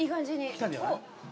きたんじゃない？